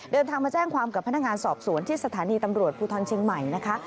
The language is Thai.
เดินทางมาแจ้งความกับพนักงานสอบสวนที่สถานีตำรวจภูทรเชียงใหม่นะคะ